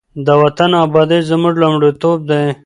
د وطن ابادي زموږ لومړیتوب دی.